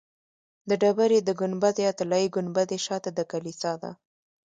د ډبرې د ګنبد یا طلایي ګنبدې شاته د کلیسا ده.